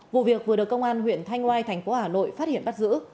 vụ việc vừa được công an huyện thanh ngoai thành phố hà nội phát hiện bắt giữ